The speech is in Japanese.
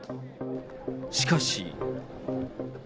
しかし。